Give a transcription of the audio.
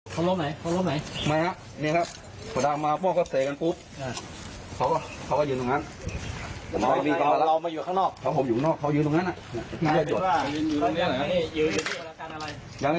ผมก็บอกเฮ้ยหยุดเถอะขอเหอะผมก็ยนต์มีด